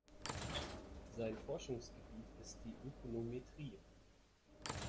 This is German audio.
Sein Forschungsgebiet ist die Ökonometrie.